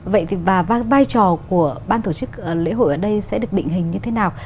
vậy thì vai trò của ban tổ chức lễ hội ở đây sẽ được định hình như thế nào